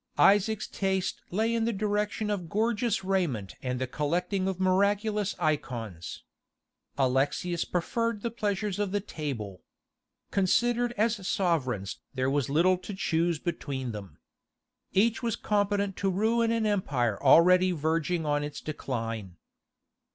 Isaac's taste lay in the direction of gorgeous raiment and the collecting of miraculous "eikons." Alexius preferred the pleasures of the table. Considered as sovereigns there was little to choose between them. Each was competent to ruin an empire already verging on its decline.